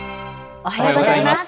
おはようございます。